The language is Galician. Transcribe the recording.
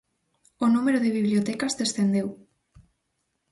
O número de bibliotecas descendeu.